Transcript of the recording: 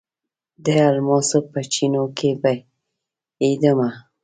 د الماسو په چېنو کې بهیدمه